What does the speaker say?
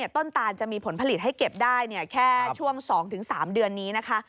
ตานจะมีผลผลิตให้เก็บได้แค่ช่วง๒๓เดือนนี้นะคะ